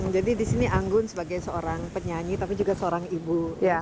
jadi di sini anggun sebagai seorang penyanyi tapi juga seorang ibu